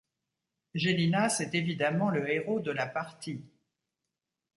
Gélinas est évidemment le héros de la partie.